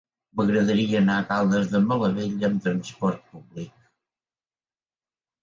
M'agradaria anar a Caldes de Malavella amb trasport públic.